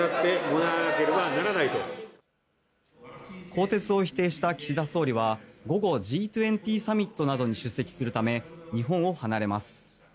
更迭を否定した岸田総理は午後、Ｇ２０サミットなどに出席するため日本を離れます。